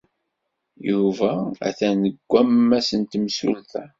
Yuba atan deg wammas n temsulta.